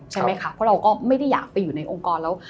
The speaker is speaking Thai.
ใช่ไหมคะเพราะเราก็ไม่ได้อยากไปอยู่ในองค์กรแล้ว